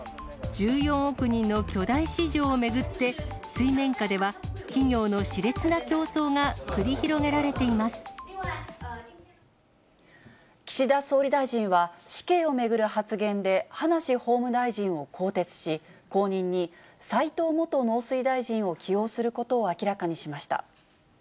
１４億人の巨大市場を巡って、水面下では企業のしれつな競争が岸田総理大臣は、死刑を巡る発言で葉梨法務大臣を更迭し、後任に斎藤元農水大臣を起用することを明らかにしました。